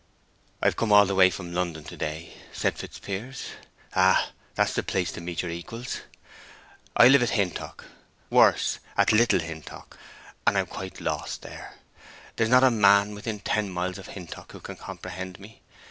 "I've come all the way from London to day," said Fitzpiers. "Ah, that's the place to meet your equals. I live at Hintock—worse, at Little Hintock—and I am quite lost there. There's not a man within ten miles of Hintock who can comprehend me.